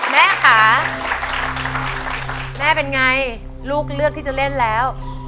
แม่ค่ะแม่เป็นไงลูกเลือกที่จะเล่นแล้ว